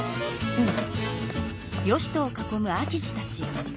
うん。